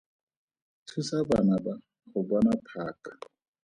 Thusa bana ba go bona phaka.